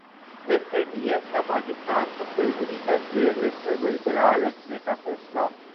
F A T F کا پاکستان کو فروری تک گرے لسٹ میں برقرار رکھنے کا فیصلہ